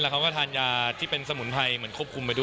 เขาก็ทานยาที่เป็นสมุนไพรเหมือนควบคุมไปด้วย